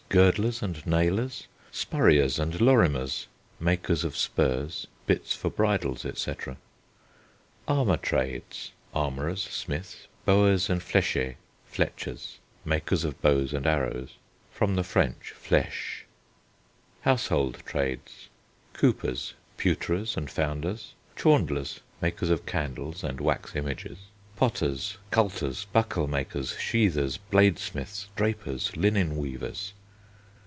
Girdlers and nailers. Spuriers and lorimers (makers of spurs, bits for bridles, etc.). Armour Trades: Armourers. Smiths. Bowers and flecchers (fletchers) (makers of bows and arrows. Cf. French flèche). Household Trades: Coopers. Pewterers and founders. Chaundlers (makers of candles and wax images). Potters. Culters. Bucklemakers, sheathers, bladesmiths. Drapers. Linenweavers.